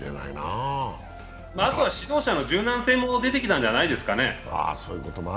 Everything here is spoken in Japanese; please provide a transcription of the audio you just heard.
あとは指導者の柔軟性も出てきたんじゃないですかね。